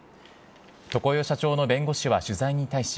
常世社長の弁護士は取材に対し、